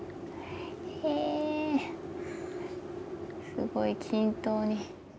へすごい均等に。